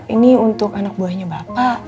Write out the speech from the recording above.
ini untuk anak buahnya bapak